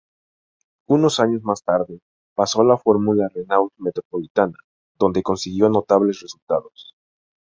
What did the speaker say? Unos años más tarde, pasó a la Fórmula Renault Metropolitana, donde consiguió notables resultados.